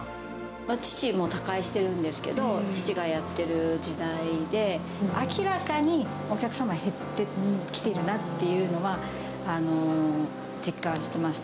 父、もう他界してるんですけど、父がやっている時代で、明らかにお客様減ってきているなっていうのは、実感してました。